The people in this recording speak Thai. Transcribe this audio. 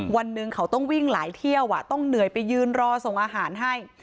วันหนึ่งเขาต้องวิ่งหลายเที่ยวต้องเหนื่อยไปยืนรอส่งอาหารให้